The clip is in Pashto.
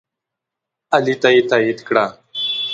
علي ته یې تایید کړه.